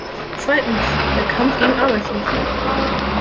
Zweitens, der Kampf gegen Arbeitsunfälle.